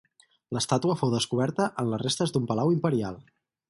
L'estàtua fou descoberta en les restes d'un palau imperial.